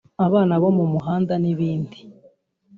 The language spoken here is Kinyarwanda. abana bo mu muhanda n’ibindi